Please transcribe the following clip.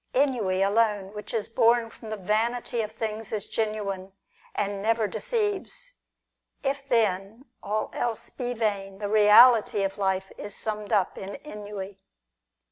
Ennui alone, which is born from the vanity of things, is genuine, and never deceives. If, then, all else be vain, the reality of life is summed up in ennui.